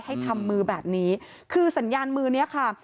ให้ทำมือแบบนี้คือสัญญาณมือเนี้ยค่ะ